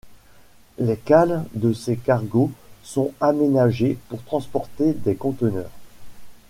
Les cales de ces cargos sont aménagées pour transporter des conteneurs.